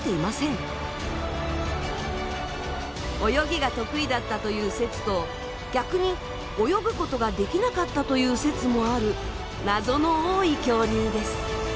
泳ぎが得意だったという説と逆に泳ぐことができなかったという説もある謎の多い恐竜です。